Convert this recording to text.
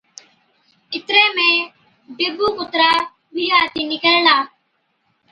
اِتري ۾ ڊبُو ڪُترا بِي آتِي نِڪرلا۔